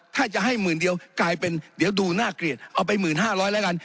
ถ้าจะให้หมื่นเดียวกลายเป็นเดี๋ยวดูน่าเกลียดเอาไป๑๕๐๐แล้วกัน